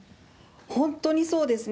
本当にそうですね。